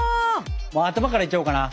もう頭からいっちゃおうかな。